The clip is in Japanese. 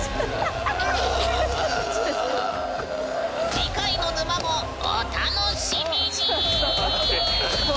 次回の沼もお楽しみに！